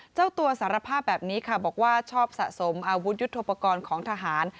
เจ้าตัวสารภาพแบบนี้ค่ะบอกว่าชอบสะสมอาวุธยุทธโปรกรณ์ของทหาร